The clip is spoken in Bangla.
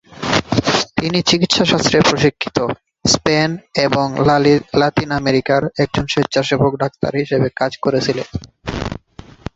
তিনি চিকিৎসাশাস্ত্রে প্রশিক্ষিত, স্পেন এবং লাতিন আমেরিকায় একজন স্বেচ্ছাসেবক ডাক্তার হিসাবে কাজ করেছিলেন।